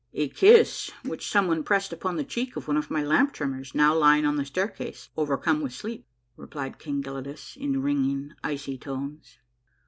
" A kiss which someone pressed upon the cheek of one of my lamp trimmers, now lying on the staircase overcome with sleep," replied King Gelidus, in ringing, icy tones.